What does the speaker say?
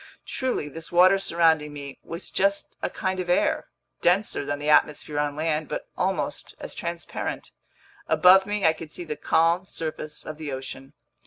Truly, this water surrounding me was just a kind of air, denser than the atmosphere on land but almost as transparent. Above me I could see the calm surface of the ocean.